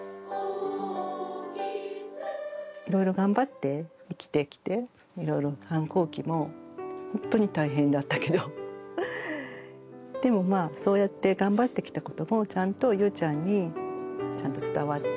いろいろ頑張って生きてきていろいろ反抗期もほんとに大変だったけどでもまあそうやって頑張ってきたこともちゃんとゆうちゃんにちゃんと伝わって。